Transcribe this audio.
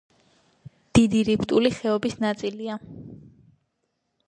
დიდი რიფტული ხეობის ნაწილია.